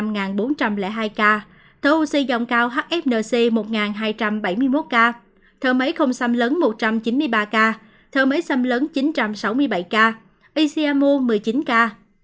trong đó thở oxy qua mặt nạ là năm bốn trăm linh hai ca thở oxy dòng cao hfnc một hai trăm bảy mươi một ca thở máy không xăm lớn một trăm chín mươi ba ca thở máy xăm lớn chín trăm sáu mươi bảy ca icmu một mươi chín ca